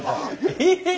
ええ！